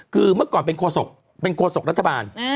คือเมื่อก่อนเป็นโฆษกเป็นโฆษกรัฐบาล